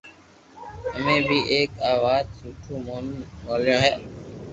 امو نيي ايڪ آ ايڪ سٺو موقو ميليو ھي